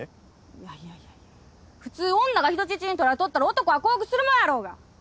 いやいやいや普通女が人質に取られとったら男は降伏するもんやろうが！